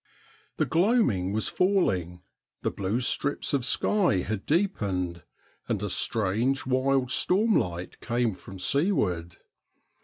The gloaming was falling ; the blue strips of sky had deepened, and a strange wild stormlight came from seaward.